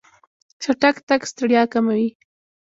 چټک تګ ستړیا کموي.